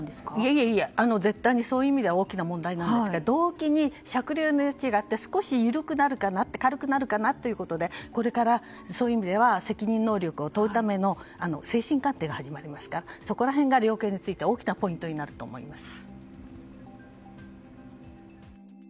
いやいや絶対にそういう意味では大きな問題ですが動機に酌量の余地があって少し緩くなるかな軽くなるかなということでこれからそういう意味では責任能力を問うための精神鑑定が行われますから量刑では大きなポイントになると思います。